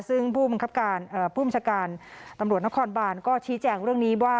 ซึ่งผู้บัญชาการตำรวจนครบานก็ชี้แจงเรื่องนี้ว่า